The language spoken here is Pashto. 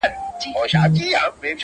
خو ذهن کي يې شته ډېر,